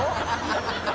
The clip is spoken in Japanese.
ハハハ